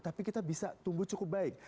tapi kita bisa tumbuh cukup baik